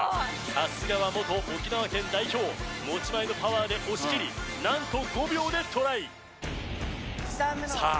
さすがは元沖縄県代表持ち前のパワーで押し切りなんと５秒でトライさあ